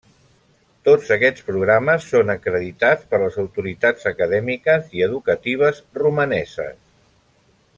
Tots aquests programes són acreditats per les autoritats acadèmiques i educatives romaneses.